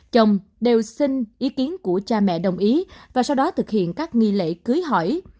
chồng đều xin ý kiến của cha mẹ đồng ý và sau đó thực hiện các nghi lễ cưới hỏi